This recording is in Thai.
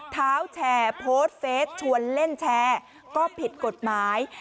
เท้าแชร์โพสต์เฟสชวนเล่นแชร์ก็ผิดกฎหมาย